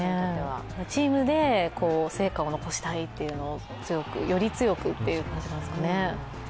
チームで成果を残したいというのをより強くという感じですかね。